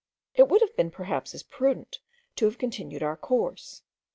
It would have been perhaps as prudent to have continued our course.